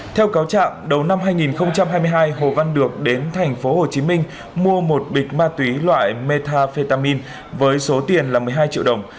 theo cáo trạng đầu năm hai nghìn hai mươi hai hồ văn được đến tp hcm mua một bịch ma túy loại metafetamin với số tiền là một mươi hai triệu đồng